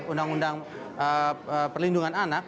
undang undang perlindungan anak